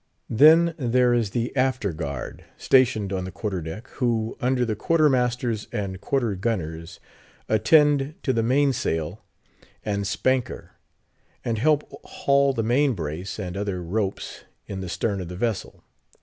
Then, there is the After guard, stationed on the Quarterdeck; who, under the Quarter Masters and Quarter Gunners, attend to the main sail and spanker, and help haul the main brace, and other ropes in the stern of the vessel.